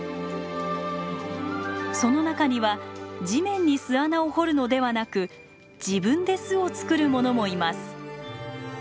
その中には地面に巣穴を掘るのではなく自分で巣を作るものもいます。